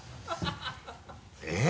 えっ？